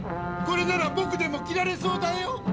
これならぼくでも着られそうだよ。